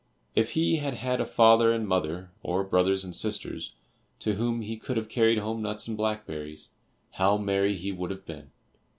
If he had had a father and mother, or brothers and sisters, to whom he could have carried home nuts and blackberries, how merry he would have been.